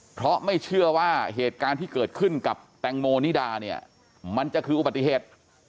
เพราะไม่เชื่อว่าเหตุการณ์ที่เกิดขึ้นกับแตงโมนิดาเนี่ยมันจะคืออุบัติเหตุ